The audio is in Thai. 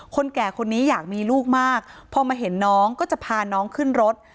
แก่คนนี้อยากมีลูกมากพอมาเห็นน้องก็จะพาน้องขึ้นรถ